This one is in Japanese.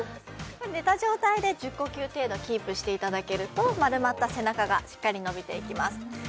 寝た状態で１０呼吸程度キープしていただけると丸まった背中がしっかり伸びていきます